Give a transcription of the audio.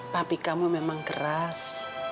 papi kamu memang keras